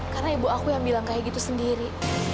karena ibu aku yang bilang kayak gitu sendiri